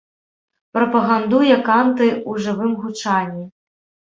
Прапагандуе канты ў жывым гучанні.